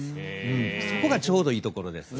そこがちょうどいいところです。